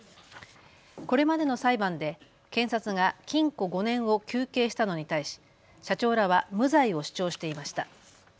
これまでの裁判で検察が禁錮５年を求刑したのに対し社長らは無罪を主張していました。